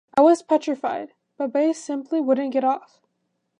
I was petrified, but Bay simply wouldn't get off.